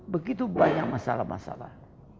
begitu banyak masalah masalah